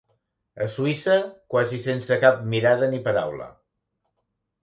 A Suïssa, quasi sense cap mirada ni paraula.